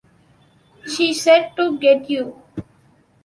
She said to get you.